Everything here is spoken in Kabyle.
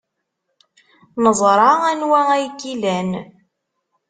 Neẓra anwa ay k-ilan.